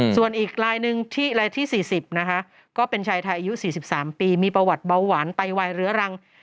ส่วนอีกลายหนึ่งที่รายที่๔๐นะคะก็เป็นชายไทยอายุ๔๓ปีมีประวัติเบาหวานไตวายเรื้อรัง